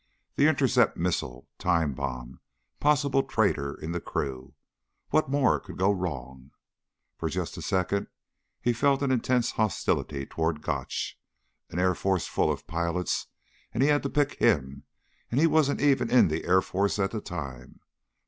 The intercept missile ... time bomb ... possible traitor in the crew. What more could go wrong? For just a second he felt an intense hostility toward Gotch. An Air Force full of pilots and he had to pick him and he wasn't even in the Air Force at the time.